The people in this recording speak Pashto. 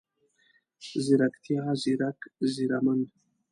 ځيرکتيا، ځیرک، ځیرمن،